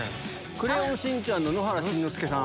『クレヨンしんちゃん』の野原しんのすけさん。